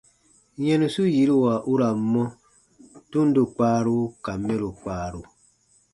Yɛnusu yiruwa u ra n mɔ : tundo kpaaru ka mɛro kpaaru.